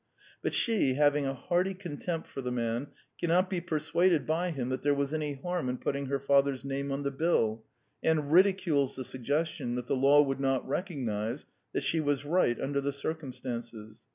But she, having a hearty contempt for the man, cannot be per suaded by him that there was any harm in put ting her father's name on the bill, and ridicules the suggestion that the law would not recognize that she was right under the circumstances.